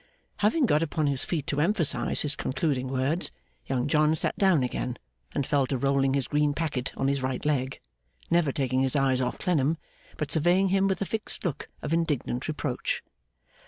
Having got upon his feet to emphasise his concluding words, Young John sat down again, and fell to rolling his green packet on his right leg; never taking his eyes off Clennam, but surveying him with a fixed look of indignant reproach.